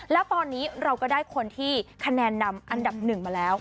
และตอนนี้เราก็ได้คนที่แค่แนนนำอันดับ๑มาแล้ว